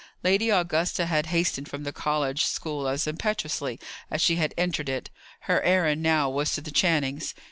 Lady Augusta had hastened from the college school as impetuously as she had entered it. Her errand now was to the Channings.